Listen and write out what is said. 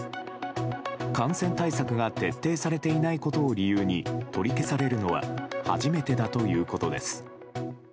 感染対策が徹底されていないことを理由に取り消されるのは初めてだということです。